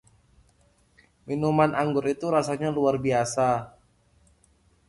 Minuman anggur itu rasanya luar biasa.